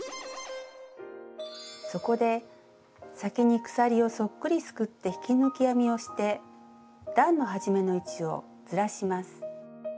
そこで先に鎖をそっくりすくって引き抜き編みをして段の始めの位置をずらします。